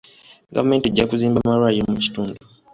Gavumenti ejja kuzimba amalwaliro mu kitundu.